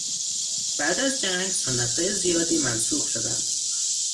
بعد از جنگ سنتهای زیادی منسوخ شدند.